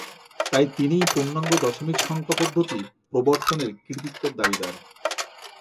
তাই তিনিই পূর্ণাঙ্গ দশমিক সংখ্যা পদ্ধতি প্রবর্তনের কৃতিত্বের দাবিদার।